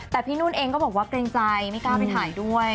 แต่พี่นุ่นเองก็บอกว่าเกรงใจไม่กล้าไปถ่ายด้วย